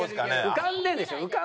浮かんでるんでしょ？